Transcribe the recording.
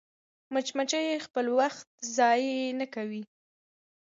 مچمچۍ خپل وخت ضایع نه کوي